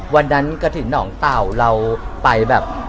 วันนั้นกระถิ่นหนองเต่าเราไปแบบ